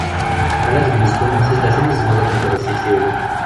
Ala deg umezgun neɣ tizlatin i tzemreḍ ad tbeddleḍ tiktiwin.